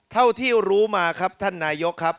เท่าที่รู้มาครับท่านนายกครับ